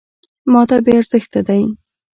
.ماته بې ارزښته دی .